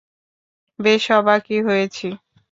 বেশ অবাকই হয়েছি।